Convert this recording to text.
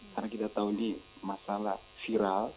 karena kita tahu ini masalah viral